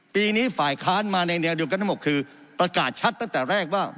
ปีนี้ฝ่ายค้านมาในแนวเดียวกันทั้งหมดคือประกาศชัดตั้งแต่แรกว่า